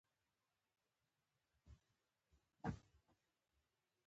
چمن فالټ لاین څومره اوږد دی؟